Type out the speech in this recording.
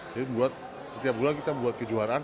jadi setiap bulan kita membuat kejuaraan